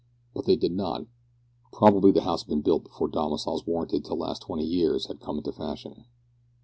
But they did not! Probably the house had been built before domiciles warranted to last twenty years had come into fashion.